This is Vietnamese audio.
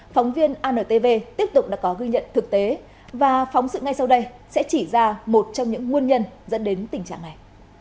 phóng viên antv tiếp tục đã có ghi nhận thực tế và phóng sự ngay sau đây sẽ chỉ ra một trong những nguồn nhân dẫn đến tình trạng này